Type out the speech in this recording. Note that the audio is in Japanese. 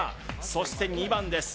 そして２番です